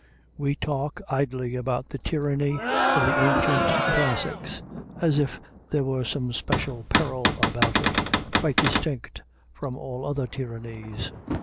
We talk idly about the tyranny of the ancient classics, as if there were some special peril about it, quite distinct from all other tyrannies.